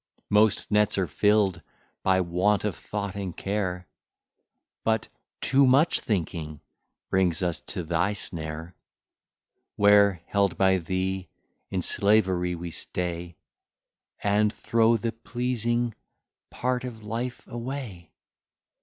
Most nets are fill'd by want of thought and care But too much thinking brings us to thy snare; Where, held by thee, in slavery we stay, And throw the pleasing part of life away.